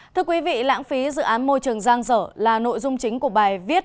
thưa quý vị lãng phí dự án môi trường giang dở là nội dung chính của bài viết